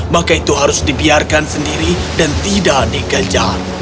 maka itu harus dibiarkan sendiri dan tidak diganjar